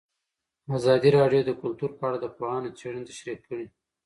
ازادي راډیو د کلتور په اړه د پوهانو څېړنې تشریح کړې.